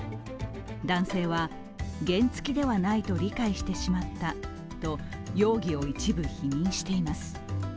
男性は原付ではないと理解してしまったと容疑を一部否認しています。